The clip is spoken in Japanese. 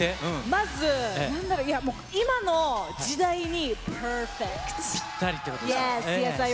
まず、今の時代にパーフェクぴったりっていうことですね。